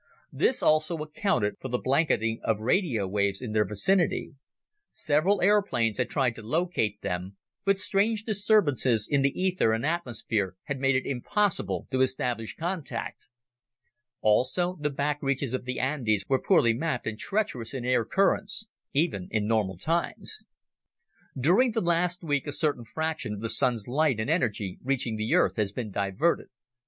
This also accounted for the blanketing of radio waves in their vicinity. Several airplanes had tried to locate them, but strange disturbances in the ether and atmosphere had made it impossible to establish contact. Also, the back reaches of the Andes were poorly mapped and treacherous in air currents, even in normal times. "During the last week, a certain fraction of the Sun's light and energy reaching the Earth has been diverted.